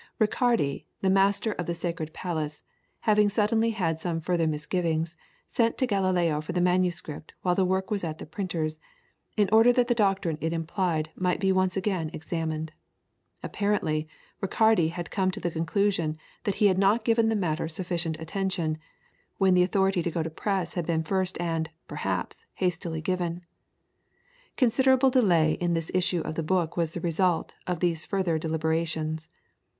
Riccardi, the Master of the Sacred Palace, having suddenly had some further misgivings, sent to Galileo for the manuscript while the work was at the printer's, in order that the doctrine it implied might be once again examined. Apparently, Riccardi had come to the conclusion that he had not given the matter sufficient attention, when the authority to go to press had been first and, perhaps, hastily given. Considerable delay in the issue of the book was the result of these further deliberations.